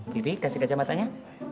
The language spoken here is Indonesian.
vivi kasih kaca matanya